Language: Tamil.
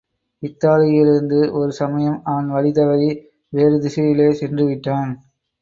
இத்தாலியிலிருந்து ஒரு சமயம் அவன் வழி தவறி, வேறு திசையிலே சென்று விட்டான்.